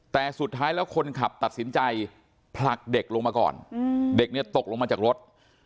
แต่สุดท้ายแล้วคนขับตัดสินใจผลักเด็กลงมาก่อนเด็กเนี่ยตกลงมาจากรถ